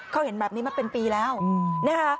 เขาเห็นแบบนี้มาเป็นปีแล้วนะคะ